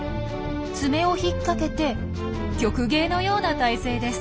爪を引っ掛けて曲芸のような体勢です。